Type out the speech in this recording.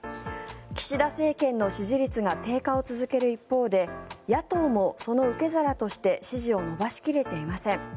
岸田政権の支持率が低下を続ける一方で野党もその受け皿として支持を伸ばし切れていません。